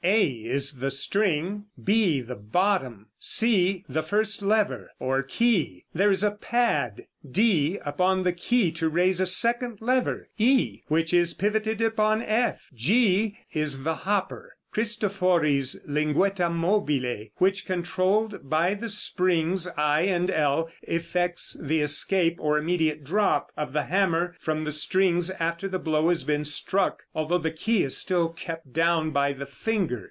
A is the string; b the bottom; c the first lever, or key; there is a pad, d, upon the key to raise a second lever, e, which is pivoted upon f; g is the hopper Cristofori's linguetta mobile which, controlled by the springs i and l, effects the escape, or immediate drop, of the hammer from the strings after the blow has been struck, although the key is still kept down by the finger.